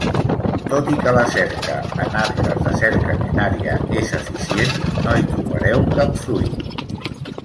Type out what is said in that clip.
Tot i que la cerca en arbres de cerca binària és eficient, no hi trobareu cap fruit.